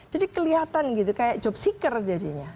jadi kelihatan gitu kayak job seeker jadinya